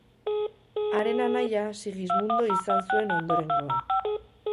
Haren anaia Sigismundo izan zuen ondorengoa.